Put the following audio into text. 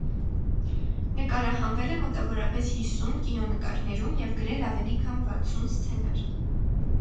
Նկարահանվել է մոտավորապես հիսուն կինոնկարներում և գրել ավելի քան վաթսուն սցենար։